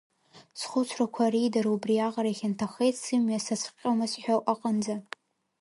Схәыцрақәа реидара убриаҟара ихьанҭахеит, сымҩа сацәхҟьома сҳәо аҟынӡа.